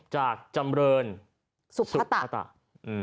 จากจำเรินสุภัตตะสุภัตตะอืม